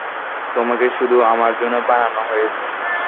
তোমাকে শুধু আমার জন্য বানানো হয়েছে।